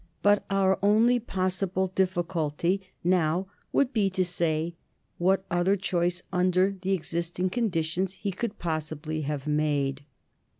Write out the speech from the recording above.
But our only possible difficulty now would be to say what other choice, under the existing conditions, he could possibly have made.